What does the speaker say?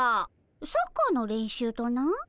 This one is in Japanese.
サッカーの練習とな。